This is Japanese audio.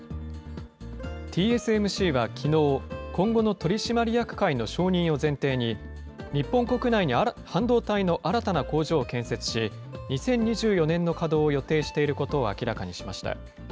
ＴＳＭＣはきのう、今後の取締役会の承認を前提に、日本国内に半導体の新たな工場を建設し、２０２４年の稼働を予定していることを明らかにしました。